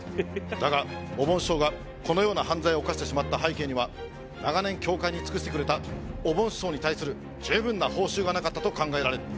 だがおぼん師匠がこのような犯罪を犯してしまった背景には長年協会に尽くしてくれたおぼん師匠に対する十分な報酬がなかったと考えられる。